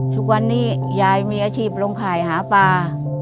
ทุกวันนี้ยายมีอาชีพลงข่ายหาปลา